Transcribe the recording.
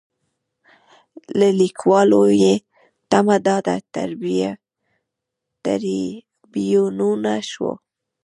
له لیکوالو یې تمه دا ده تریبیونونه شو.